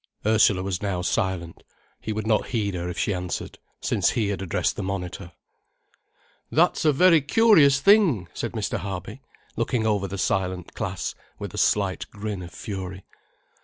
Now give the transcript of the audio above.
Ursula was now silent. He would not heed her if she answered, since he had addressed the monitor. "That's a very curious thing," said Mr. Harby, looking over the silent class with a slight grin of fury.